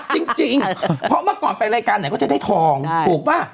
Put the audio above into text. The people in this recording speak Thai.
จริงเพราะเมื่อก่อนไปรายการไหนก็จะได้ทองถูกป่ะ